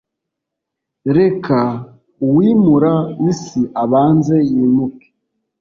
Reka uwimura isi abanze yimuke.